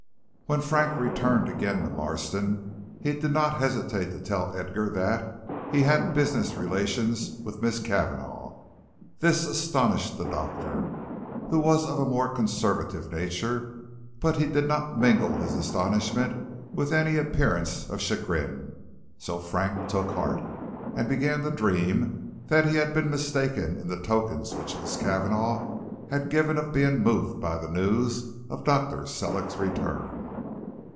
When Frank returned again to Marston he did not hesitate to tell Edgar that "he had business relations with Miss Cavanagh." This astonished the doctor, who was of a more conservative nature, but he did not mingle his astonishment with any appearance of chagrin, so Frank took heart, and began to dream that he had been mistaken in the tokens which Miss Cavanagh had given of being moved by the news of Dr. Sellick's return.